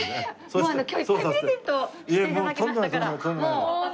もう今日いっぱいプレゼントして頂きましたから。